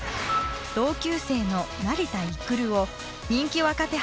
同級生の成田育を人気若手